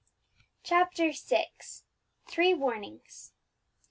CHAPTER VI. THREE WARNINGS.